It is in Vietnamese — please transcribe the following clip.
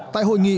tại hội nghị